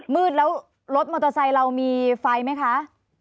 มืดแล้วรถมอเตอร์ไซค์เรามีไฟไหมคะ